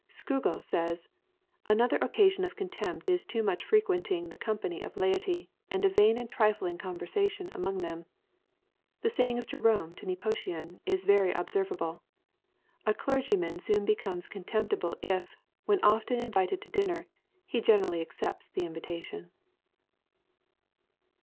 Scougal says, "Another occasion of contempt is too much frequenting tne company of laity, and a vain and trifling con> versation among them. The saying of Jerome to Nepotian, is very observable, *A clergyman soon becomes contemptible i^ when often invited to dinner, he generally accepts the invita tion.